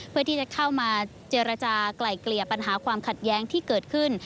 เพื่อที่จะเข้ามาเจรจากลายเกลี่ยปัญหาความขัดแย้งที่เกิดขึ้น